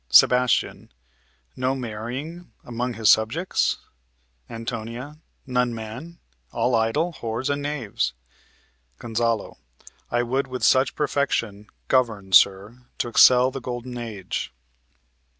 Seb. No marrying 'mong his subjects? Ant. None, man; all idle, whores, and knaves. Gon. I would with such perfection govern, sir, To 'xcel the golden age.